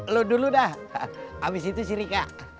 lo dulu dah abis itu si rika